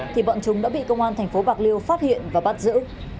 thì bọn chúng đã bị công an thành phố bạc liêu phát hiện và bắt giữ